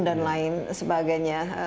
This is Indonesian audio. dan lain sebagainya